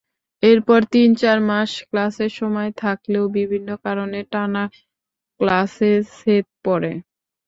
এরপর তিন-চার মাস ক্লাসের সময় থাকলেও বিভিন্ন কারণে টানা ক্লাসে ছেদ পড়ে।